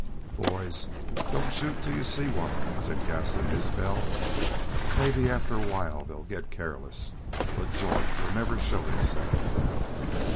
"Boys, don't shoot till you see one," said Gaston Isbel. "Maybe after a while they'll get careless. But Jorth will never show himself."